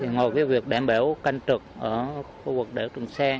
ngoài việc đảm bảo canh trực ở khu vực đảo trường sa